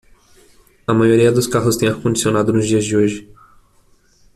A maioria dos carros tem ar condicionado nos dias de hoje.